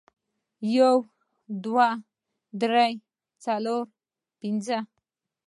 یو، دوه، درې، څلور، پنځه